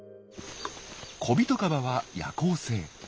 コビトカバは夜行性。